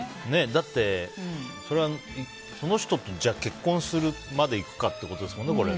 だって、その人と結婚するまでいくかってことですもんね。